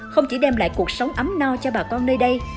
không chỉ đem lại cuộc sống ấm no cho bà con nơi đây